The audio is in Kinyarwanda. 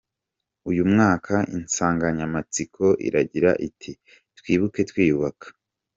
Uyu mwaka, insanganyamatsiko iragira iti “Twibuke Twiyubaka.